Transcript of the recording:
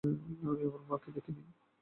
আমি আমার মাকে দেখিনি।